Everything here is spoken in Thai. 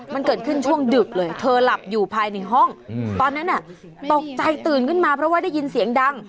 มันเกิดขึ้นช่วงดึกเลยเธอหลับอยู่ภายในห้องตอนนั้นตกใจตื่นขึ้นมาเพราะว่าได้ยินเสียงดัง